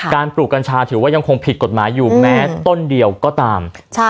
ปลูกกัญชาถือว่ายังคงผิดกฎหมายอยู่แม้ต้นเดียวก็ตาม